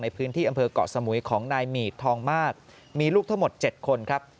ในพื้นที่อำเภอกเกาะสมุยของนายหมีดทองมากมีลูกทั้งหมด๗คนครับ